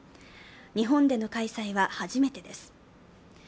日本での開催は初めてです。